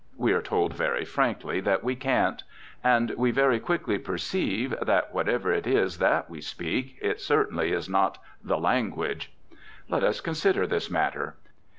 We are told very frankly that we can't. And we very quickly perceive that, whatever it is that we speak, it certainly is not "the language." Let us consider this matter.